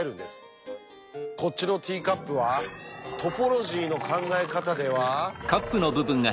こっちのティーカップはトポロジーの考え方では。